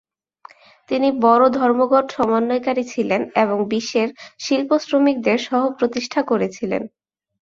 তিনি বড় ধর্মঘট সমন্বয়কারী ছিলেন এবং বিশ্বের শিল্প শ্রমিকদের সহ-প্রতিষ্ঠা করেছিলেন।